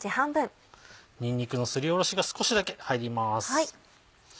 にんにくのすりおろしが少しだけ入ります。